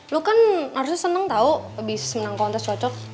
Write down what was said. lo kan harusnya seneng tahu abis menang kontes cocok